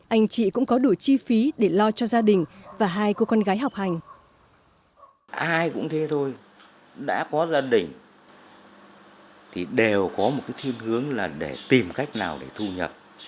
anh chị cũng có đủ chi phí để lo cho gia đình